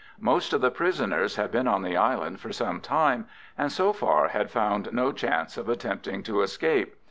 Most of the prisoners had been on the island for some time, and so far had found no chance of attempting to escape.